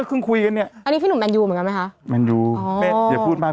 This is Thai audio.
เขาแทบจะ